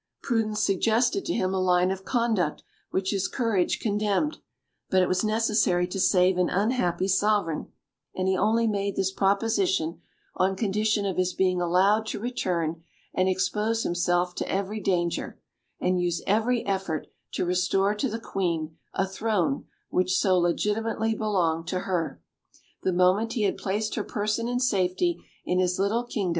Prudence suggested to him a line of conduct which his courage condemned; but it was necessary to save an unhappy sovereign, and he only made this proposition on condition of his being allowed to return and expose himself to every danger, and use every effort to restore to the Queen a throne which so legitimately belonged to her, the moment he had placed her person in safety in his little kingdom.